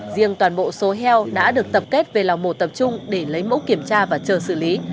riêng toàn bộ số heo đã được tập kết về lòng hồ tập trung để lấy mẫu kiểm tra và chờ xử lý